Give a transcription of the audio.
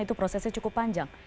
itu prosesnya cukup panjang